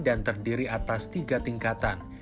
dan terdiri atas tiga tingkatan